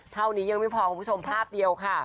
เท่านี้ยังไม่พอคุณผู้ชมภาพเดียวค่ะ